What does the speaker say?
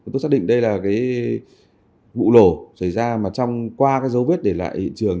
tôi xác định đây là vụ lổ xảy ra qua dấu vết để lại hiện trường